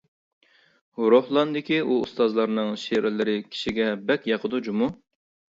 روھلاندىكى ئۇ ئۇستازلارنىڭ شېئىرلىرى كىشىگە بەك ياقىدۇ جۇمۇ.